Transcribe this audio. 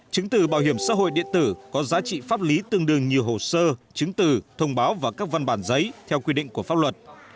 chứng từ bảo hiểm xã hội điện tử có giá trị pháp lý tương đương như hồ sơ chứng từ thông báo và các văn bản giấy theo quy định của pháp luật